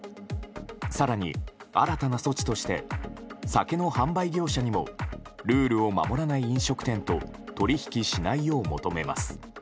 更に、新たな措置として酒の販売業者にもルールを守らない飲食店と取り引きしないよう求めます。